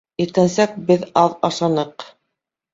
Иртәнсәк беҙ аҙ ашаныҡ